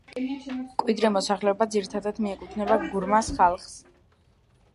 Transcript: მკვიდრი მოსახლეობა ძირითადად მიეკუთვნება გურმას ხალხს.